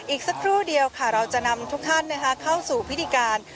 อีกสักครู่เดียวค่ะเราจะนำทุกท่านเข้าสู่พิธีการ